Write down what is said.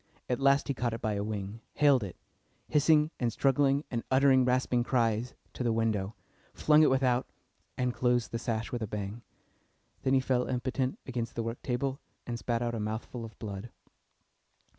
At last he caught it by a wing, haled it, hissing and struggling and uttering rasping cries, to the window, flung it without, and closed the sash with a bang. Then he fell impotent against the work table, and spat out a mouthful of blood.